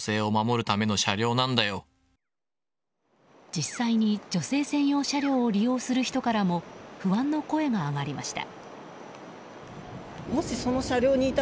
実際に女性専用車両を利用する人からも不安の声が上がりました。